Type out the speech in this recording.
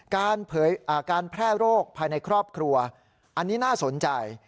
การแพร่โรคภายในครอบครัวอันนี้น่าสนใจ